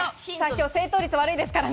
今日、正解率悪いですから、